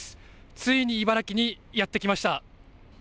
ついに茨城にやってきました。